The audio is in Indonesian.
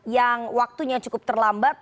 yang waktunya cukup terlambat